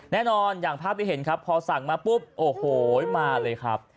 แน่นอนอย่างภาพที่เห็นครับพอสั่งมาปุ๊บโอ้โหมาเลยครับ